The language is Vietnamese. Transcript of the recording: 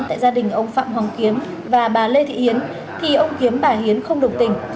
tại gia đình ông phạm hoàng kiếm và bà lê thị hiến thì ông kiếm bà hiến không đồng tình